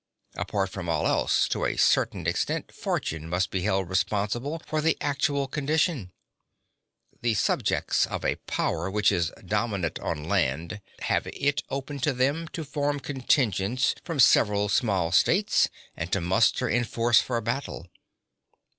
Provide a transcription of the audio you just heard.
(2) Apart from all else, to a certain extent fortune must be held responsible for the actual condition. The subjects of a power which is dominant by land have it open to them to form contingents from several small states and to muster in force for battle.